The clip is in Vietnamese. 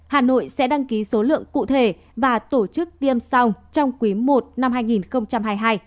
hà nội sẽ đăng ký số lượng cụ thể và tổ chức tiêm sau trong quý i năm hai nghìn hai mươi hai